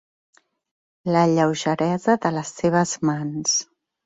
La lleugeresa de les seves mans.